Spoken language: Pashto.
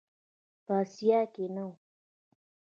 په آسیا کې نه و.